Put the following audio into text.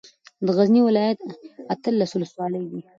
د غزني ولايت اتلس ولسوالۍ دي